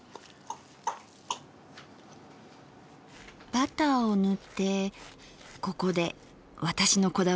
バターを塗ってここで私のこだわりが一つ。